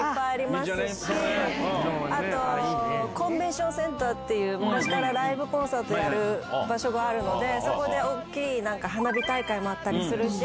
あとコンベンションセンターって昔からライブコンサートやる場所があるのでそこで大きい花火大会もあったりするし。